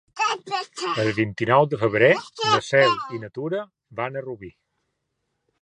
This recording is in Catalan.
El vint-i-nou de febrer na Cel i na Tura van a Rubí.